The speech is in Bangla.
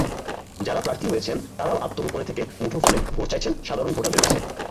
যাঁরা প্রার্থী হয়েছেন, তাঁরাও আত্মগোপনে থেকে মুঠোফোনে ভোট চাইছেন সাধারণ ভোটারদের কাছে।